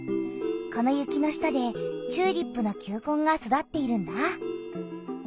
この雪の下でチューリップの球根が育っているんだ。